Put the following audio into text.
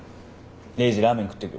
レイジラーメン食ってく？